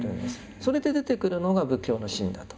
それで出てくるのが仏教の信だと。